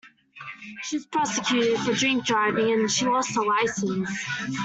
She was prosecuted for drink-driving, and she lost her licence